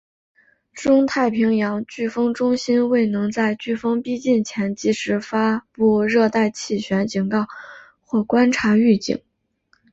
中太平洋飓风中心未能在飓风逼近前及时发布热带气旋警告或观察预警。